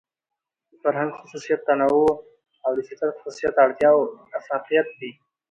د فرهنګ خصوصيت تنوع او د فطرت خصوصيت اړتيا او اۤفاقيت دى.